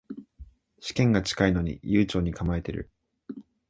試験が近いのに悠長に構えてる